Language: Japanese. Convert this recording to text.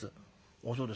「ああそうですか。